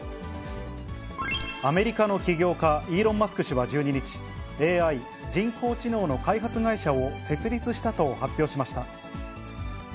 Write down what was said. アメリカの起業家、イーロン・マスク氏は１２日、ＡＩ・人工知能の開発会社を設立したと発表しました。